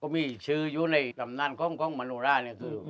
ก็มีชื่อยู่ในตำนานของมนุราค์เนี่ย